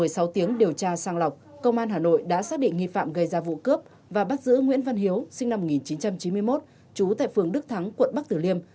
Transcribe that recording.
sau tiếng điều tra sang lọc công an hà nội đã xác định nghi phạm gây ra vụ cướp và bắt giữ nguyễn văn hiếu sinh năm một nghìn chín trăm chín mươi một trú tại phường đức thắng quận bắc tử liêm